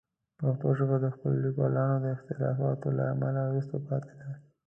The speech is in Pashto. پښتو ژبه د خپلو لیکوالانو د اختلافاتو له امله وروسته پاتې ده.